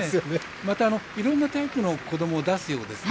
また、いろんなタイプの子供を出すようですね。